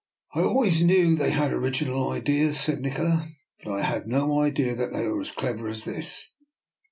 " I always knew they had original ideas," said Nikola, " but I had no idea they were as clever as this.